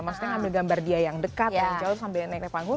maksudnya ngambil gambar dia yang dekat yang jauh tuh sama yang naik naik panggung